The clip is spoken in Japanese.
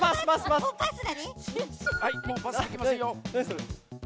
はいもうパスできませんよ。